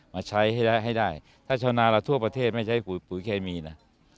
มาใช้ให้ได้ให้ได้ถ้าชาวนาเราทั่วประเทศไม่ใช้ปุ๋ยเคมีนะ